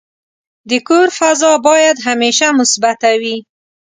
د کور فضا باید همیشه مثبته وي.